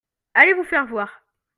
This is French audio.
Allez vous faire voir.